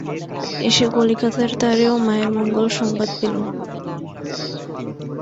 এসে কলিকাতার তারেও মায়ের মঙ্গল সংবাদ পেলুম।